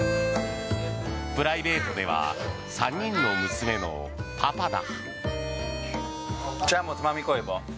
プライベートでは３人の娘のパパだ。